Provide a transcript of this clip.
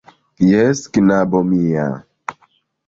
Jes, knabo mia.